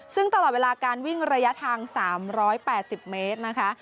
ซึ่งตลอดเวลาการวิ่งระยะทาง๓๘๐เมตรนะคะ